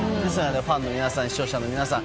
ファンの皆さん、視聴者の皆さん